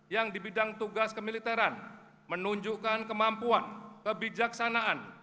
yang di bidang tugas kemiliteran menunjukkan kemampuan kebijaksanaan